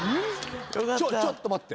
ちょっちょっと待って。